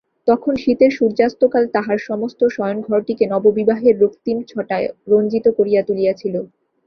তখন শীতের সূর্যাস্তকাল তাহার সমস্ত শয়নঘরটিকে নববিবাহের রক্তিমচ্ছটায় রঞ্জিত করিয়া তুলিয়াছিল।